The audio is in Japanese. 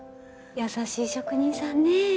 優しい職人さんね。